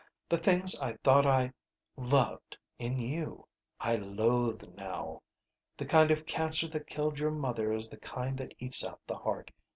The things I thought I loved in you, I loathe now. The kind of cancer that killed your mother is the kind that eats out the heart.